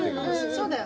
そうだよ